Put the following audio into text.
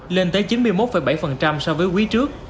lên tới chín mươi một bảy so với quý trước